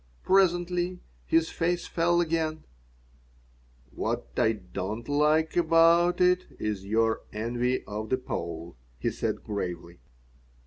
Presently his face fell again "What I don't like about it is your envy of the Pole," he said, gravely.